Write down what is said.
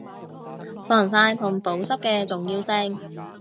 防曬同保濕嘅重要性